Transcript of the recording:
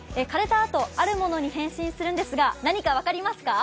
あとあるものに変身するんですが、何か分かりますか？